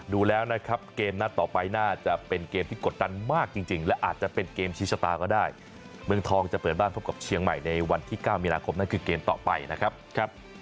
ดูแล้วนะครับเกมนัดต่อไปน่าจะเป็นเกมที่กดดันมากจริงและอาจจะเป็นเกมชี้ชะตาก็ได้เมืองทองจะเปิดบ้านพบกับเชียงใหม่ในวันที่๙มีนาคมนั่นคือเกมต่อไปนะครับ